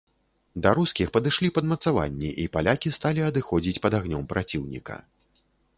Да рускіх падышлі падмацаванні, і палякі сталі адыходзіць пад агнём праціўніка.